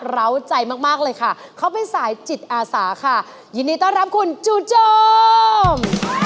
เหล้าใจมากมากเลยค่ะเขาเป็นสายจิตอาสาค่ะยินดีต้อนรับคุณจูโจม